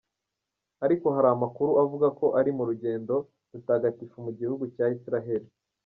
Ariko hari amakuru avuga ko ari m’urugendo rutagatifu mu gihugu cya Israheli.